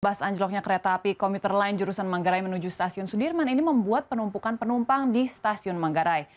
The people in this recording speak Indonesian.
bas anjloknya kereta api komuter lain jurusan manggarai menuju stasiun sudirman ini membuat penumpukan penumpang di stasiun manggarai